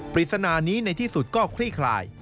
ปริศนานี้ในที่สุดก็คลี่คลาย